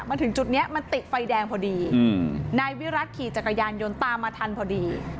มาถึงจุดนี้มันติดไฟแดงพอดีนายวิรัติขี่จักรยานยนต์ตามมาทันพอดี